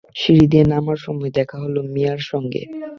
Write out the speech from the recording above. সিঁড়ি দিয়ে নামার সময় দেখা হল মিয়ার সঙ্গে।